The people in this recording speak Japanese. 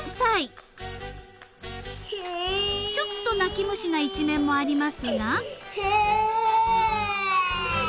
［ちょっと泣き虫な一面もありますが］